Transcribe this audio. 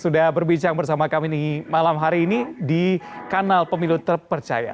sudah berbincang bersama kami malam hari ini di kanal pemilu terpercaya